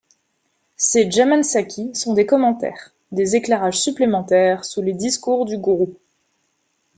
Ces janam sakhi sont des commentaires, des éclairages supplémentaires sur les discours du Guru.